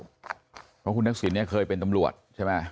เพราะคุณทักษิณเนี่ยเคยเป็นตำรวจใช่ไหม